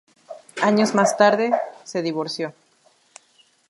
Años más tarde se divorció.